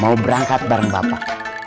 mau berangkat bareng bapak